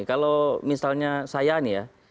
kalau misalnya saya nih ya